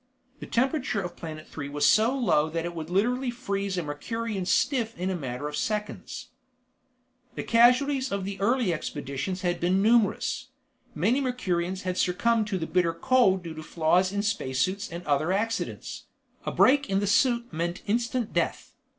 The temperature of Planet Three was so low that it would literally freeze a Mercurian stiff in a matter of seconds. The casualties of the early expeditions had been numerous. Many Mercurians had succumbed to the bitter cold due to flaws in space suits and other accidents. A break in the suit meant instant death.